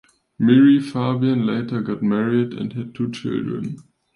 Miri Fabian later got married and had two children.